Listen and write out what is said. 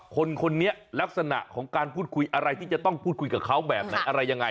คนนี้ลักษณะของการพูดคุยอะไรที่จะต้องพูดคุยกับเขาแบบไหนอะไรยังไง